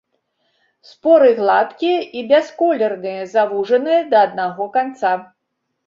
Споры гладкія і бясколерныя, звужаныя да аднаго канца.